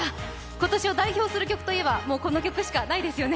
今年を代表する曲といえばこの曲しかないですよね。